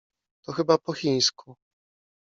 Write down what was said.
To chyba po chińsku!